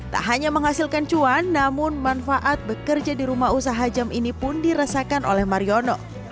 tak hanya menghasilkan cuan namun manfaat bekerja di rumah usaha jam ini pun dirasakan oleh mariono